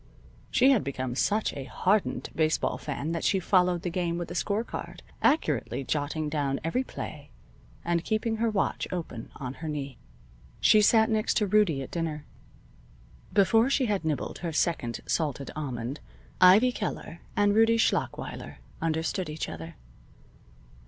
She had become such a hardened baseball fan that she followed the game with a score card, accurately jotting down every play, and keeping her watch open on her knee. She sat next to Rudie at dinner. Before she had nibbled her second salted almond, Ivy Keller and Rudie Schlachweiler understood each other.